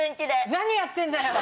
何やってんだよ！